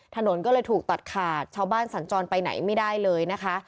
ถนนก็เลยถูกตัดขาดชาวบ้านสัญจรไปไหนไม่ได้เลยนะคะ